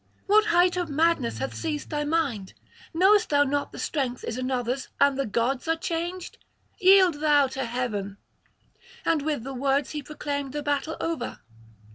what height of madness hath seized thy mind? Knowest thou not the strength is another's and the gods are changed? Yield thou to Heaven.' And with the words he proclaimed the battle over.